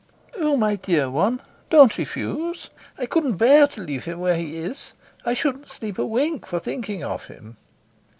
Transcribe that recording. "Oh, my dear one, don't refuse. I couldn't bear to leave him where he is. I shouldn't sleep a wink for thinking of him."